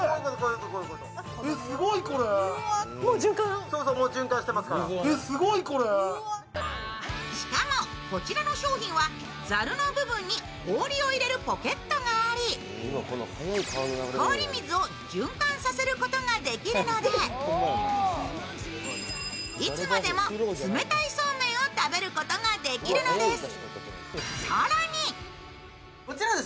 ワイドも薄型しかも、こちらの商品はざるの部分に氷を入れるポケットがあり氷水を循環させることができるのでいつまでも冷たいそうめんを食べることができるのです。